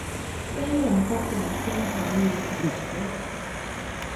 呢樣得你先可以做到